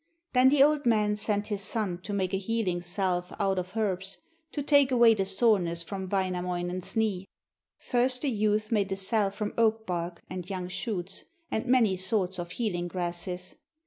Then the old man sent his son to make a healing salve out of herbs, to take away the soreness from Wainamoinen's knee. First the youth made a salve from oak bark and young shoots, and many sorts of healing grasses.